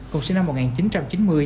cùng sinh năm một nghìn chín trăm chín mươi